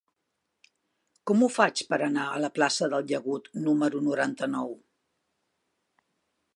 Com ho faig per anar a la plaça del Llagut número noranta-nou?